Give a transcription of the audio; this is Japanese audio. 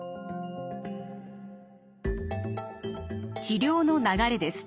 治療の流れです。